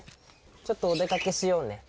ちょっとお出かけしようね。